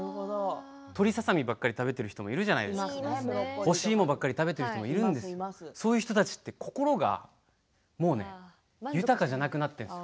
鶏ささ身ばっかり食べてる人いるじゃないですか干し芋ばっかり食べている人もいるんですがそういう人たちって心が豊かじゃなくなってくるんです。